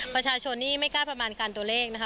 ประชาชนนี่ไม่กล้าประมาณการตัวเลขนะคะ